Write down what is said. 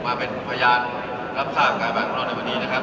มาเป็นพระญาณรับทางกายบ้านกำลังในวันนี้นะครับ